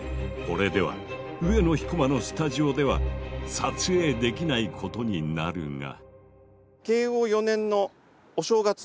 これでは上野彦馬のスタジオでは撮影できないことになるが。